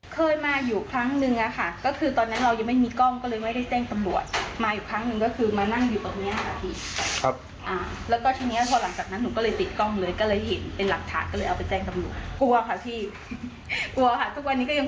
เคยมาอยู่ครั้งหนึ่งค่ะก็คือตอนนั้นเรายังไม่มีกล้องก็เลยไม่ได้แจ้งตำรวจมาอยู่ครั้งหนึ่งก็คือมานั่งอยู่ตรงนี้ค่ะพี่